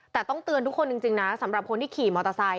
แต่ต้องเตือนทุกคนจริงนะสำหรับคนที่ขี่มอเตอร์ไซค